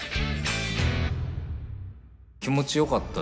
気持ちよかったですね